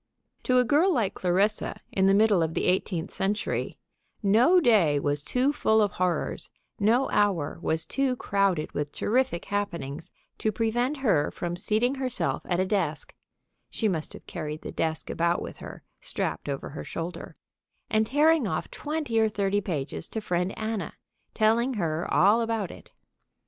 To a girl like Clarissa, in the middle of the eighteenth century, no day was too full of horrors, no hour was too crowded with terrific happenings to prevent her from seating herself at a desk (she must have carried the desk about with her, strapped over her shoulder) and tearing off twenty or thirty pages to Friend Anna, telling her all about it.